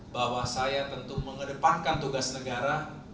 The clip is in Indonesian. bahwa saya tentu mengedepankan tugas negara